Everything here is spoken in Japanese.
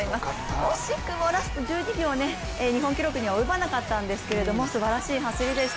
惜しくもラスト１２秒、日本記録には及ばなかったんですけれどもすばらしい走りでした。